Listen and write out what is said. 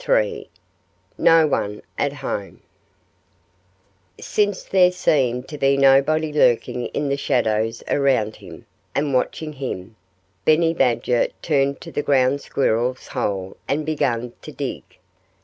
III NO ONE AT HOME Since there seemed to be nobody lurking in the shadows around him, and watching him, Benny Badger turned to the ground squirrel's hole and began to dig.